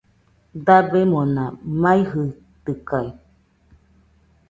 Dabemona maɨjɨitɨkaɨ